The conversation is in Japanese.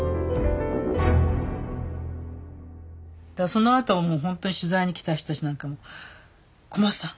そのあとはもうほんとに取材に来た人たちなんかが「小松さん！